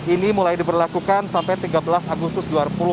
ini mulai diberlakukan sampai tiga belas agustus